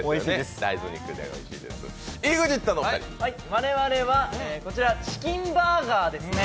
我々はこちらチキンバーガーですね。